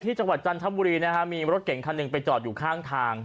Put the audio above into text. จังหวัดจันทบุรีนะฮะมีรถเก่งคันหนึ่งไปจอดอยู่ข้างทาง